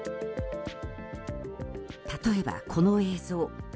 例えば、この映像。